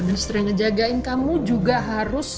dan setelah ngejagain kamu juga harus